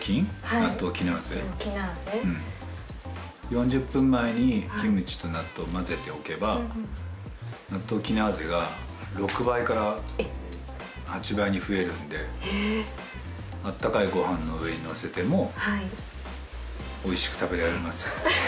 「ナットウキナーゼ」「４０分前にキムチと納豆混ぜておけばナットウキナーゼが６倍から８倍に増えるんであったかいご飯の上に載せてもおいしく食べられますよ」